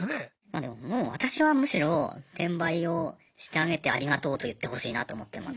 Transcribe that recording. でももう私はむしろ転売をしてあげてありがとうと言ってほしいなと思ってます。